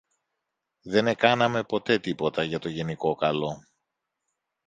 δεν εκάναμε ποτέ τίποτα για το γενικό καλό.